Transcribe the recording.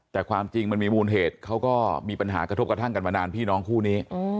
แต่ความจริงมันมีมูลเหตุเขาก็มีปัญหากระทบกระทั่งกันมานานพี่น้องคู่นี้